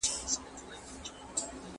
¬ دا ئې قواله په چا ئې منې.